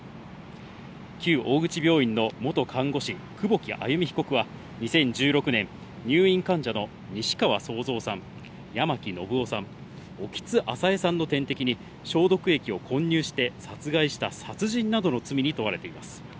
旧大口病院の元看護師・久保木愛弓被告は２０１６年入院患者の西川惣蔵さん、八巻信雄さん、興津朝江さんの点滴に消毒液を混入して殺害した殺人などの罪に問われています。